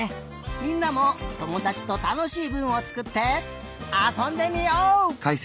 みんなもともだちとたのしいぶんをつくってあそんでみよう！